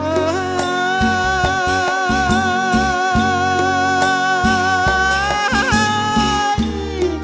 ใจจะขาดแล้วเอ้ย